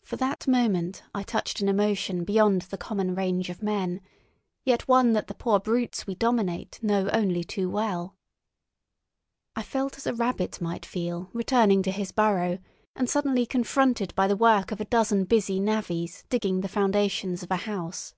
For that moment I touched an emotion beyond the common range of men, yet one that the poor brutes we dominate know only too well. I felt as a rabbit might feel returning to his burrow and suddenly confronted by the work of a dozen busy navvies digging the foundations of a house.